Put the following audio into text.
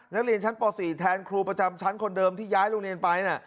นักเรียนชั้นป๔แทนครูประจำชั้นคนเดิมที่ย้ายโรงเรียนไป